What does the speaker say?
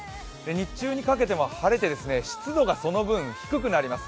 日中にかけても晴れて、湿度がその分、低くなります。